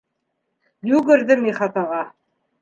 Йүгерҙем ихатаға.